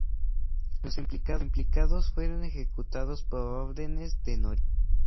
Los implicados fueron ejecutados por órdenes de Noriega.